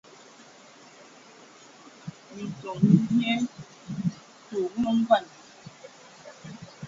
Minton mi bie, tə wumu ngɔn.